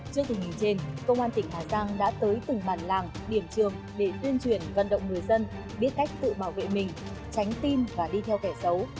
trước tình hình trên công an tỉnh hà giang đã tới từng bản làng điểm trường để tuyên truyền vận động người dân biết cách tự bảo vệ mình tránh tin và đi theo kẻ xấu